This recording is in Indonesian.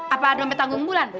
apa ada ometang gumbulan